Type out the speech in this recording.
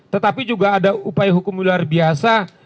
tetapi juga ada upaya hukum luar biasa